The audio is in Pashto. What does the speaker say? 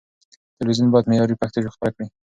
تلويزيون بايد معياري پښتو خپره کړي.